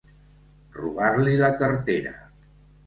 Robar-li la cartera.